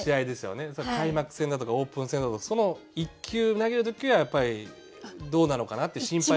開幕戦だとかオープン戦だとかその１球投げる時にはやっぱりどうなのかなって心配はあるんですけど。